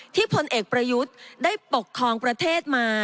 พลเอกประยุทธ์ได้ปกครองประเทศมา